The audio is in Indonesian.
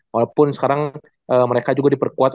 walaupun sekarang mereka juga diperkuat